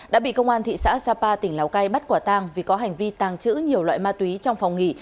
đã bị công an thị xã sapa tỉnh lào cai bắt quả tang vì có hành vi tàng trữ nhiều loại ma túy trong phòng nghỉ